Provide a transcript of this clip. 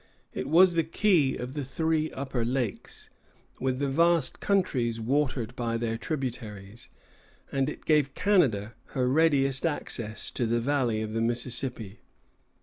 It was the key of the three upper lakes, with the vast countries watered by their tributaries, and it gave Canada her readiest access to the valley of the Mississippi.